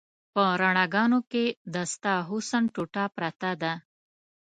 په رڼاګانو کې د ستا حسن ټوټه پرته ده